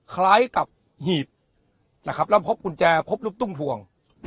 คล้ายกับหีบนะครับแล้วพบกุญแจพบลูกตุ้งพวง